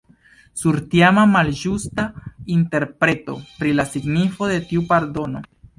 Sur tiama malĝusta interpreto pri la signifo de tiu pardono.